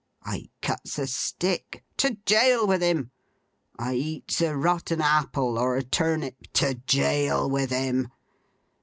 I cuts a stick. To jail with him! I eats a rotten apple or a turnip. To jail with him!